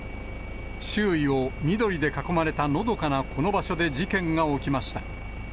周囲を緑で囲まれたのどかなこの場所で事件が起きました。